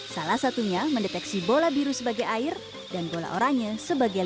salah satunya mendeteksi bola biru sebagai air dan bola oranye sebagai